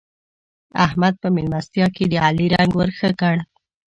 احمد په مېلمستيا کې د علي رنګ ور ښه کړ.